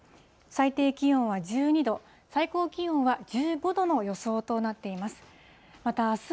最低気温は１２度、最高気温は１５度の予想となっています。